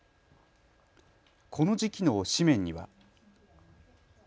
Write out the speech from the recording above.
この時期の紙面には。